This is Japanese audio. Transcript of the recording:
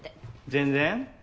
全然。